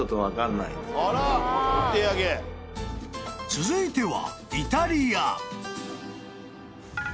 ［続いては］